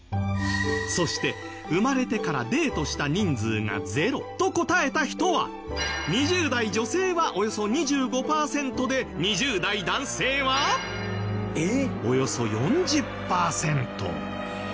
そして生まれてからデートした人数がゼロと答えた人は２０代女性はおよそ２５パーセントで２０代男性はおよそ４０パーセント。